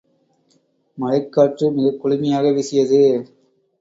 மலைக்காற்று மிகக் குளுமையாக வீசியது.